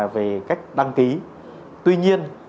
về cách đăng ký tuy nhiên